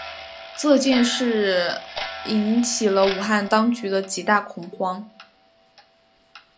此次事件引起了武汉当局的极大恐慌。